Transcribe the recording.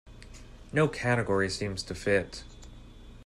No category seems to fit.